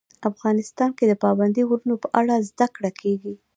افغانستان کې د پابندي غرونو په اړه زده کړه کېږي.